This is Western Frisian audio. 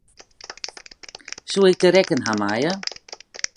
Soe ik de rekken ha meie?